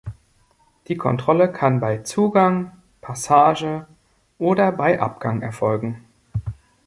Die Kontrolle kann bei Zugang, Passage oder bei Abgang erfolgen.